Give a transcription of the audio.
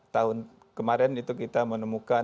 tahun kemarin itu kita menemukan